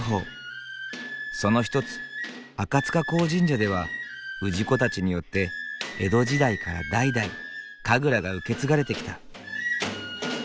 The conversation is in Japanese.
その一つ赤塚荒神社では氏子たちによって江戸時代から代々神楽が受け継がれてきた。